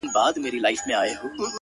• يو ليك ـ